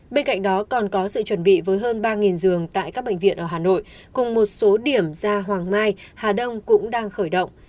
bên cạnh đó còn có sự chuẩn bị với hơn ba giường tại các bệnh viện ở hà nội cùng một số điểm gia hoàng mai hà đông cũng đang khởi động